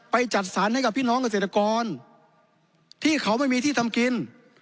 จัดสรรให้กับพี่น้องเกษตรกรที่เขาไม่มีที่ทำกิน